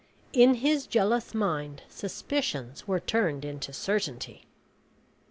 In his jealous mind suspicions were turned into certainty.